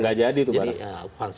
nggak jadi tuh pak raff